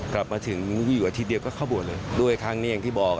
กลับมาถึงอยู่อาทิตย์เดียวก็เข้าบวชเลยด้วยครั้งนี้อย่างที่บอก